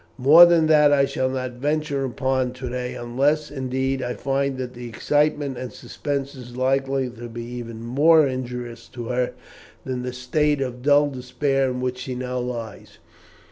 More than that I shall not venture upon to day, unless, indeed, I find that the excitement and suspense is likely to be even more injurious to her than the state of dull despair in which she now lies.